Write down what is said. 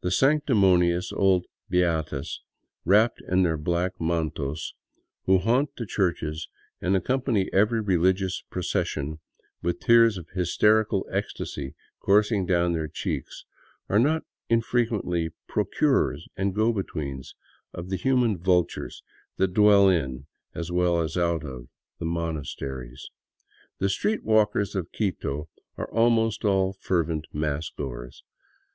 The sanctimonious old beatas, wrapped in their black mantos, who haunt the churches and accompany every religious procession with tears of hysterical ecstasy coursing down their cheeks are not infre quently procurers and go betweens of the human vultures that dwell in, as well as out of, the monasteries. The street walkers of Quito are almost all fervent mass goers.